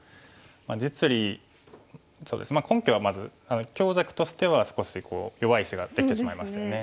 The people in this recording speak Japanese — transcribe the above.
実利根拠はまず強弱としては少し弱い石ができてしまいましたね。